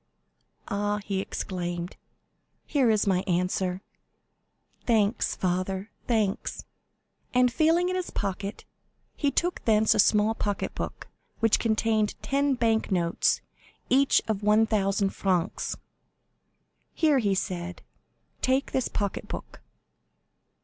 "Ah," he exclaimed, "here is my answer. Thanks, father, thanks." And feeling in his pocket, he took thence a small pocket book, which contained ten bank notes, each of 1,000 francs. "Here," he said, "take this pocket book."